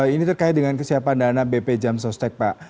ini terkait dengan kesiapan dana bp jamstek pak